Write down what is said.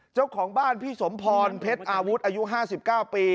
เจ้าของบ้านพี่สมพรเพชรอาวุธอายุ๕๙ปี